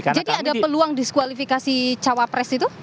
jadi ada peluang diskualifikasi cawapres itu